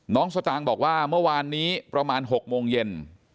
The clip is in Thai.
สตางค์บอกว่าเมื่อวานนี้ประมาณ๖โมงเย็น